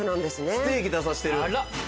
ステーキ出させてる。